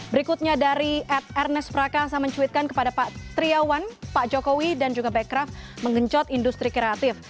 berikutnya dari ed ernest prakasa mencuitkan kepada pak triawan pak jokowi dan juga bekraf mengencot industri kreatif